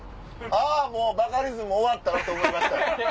あもうバカリズム終わったな！と思いましたよ。